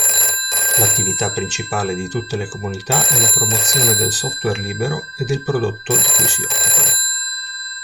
L'attività principale di tutte le comunità è la promozione del software libero e del prodotto di cui si occupano.